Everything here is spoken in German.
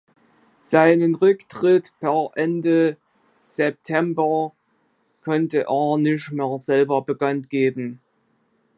Seinen Rücktritt per Ende September konnte er nicht mehr selber bekanntgeben.